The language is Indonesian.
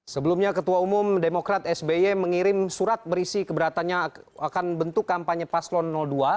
sebelumnya ketua umum demokrat sby mengirim surat berisi keberatannya akan bentuk kampanye paslon dua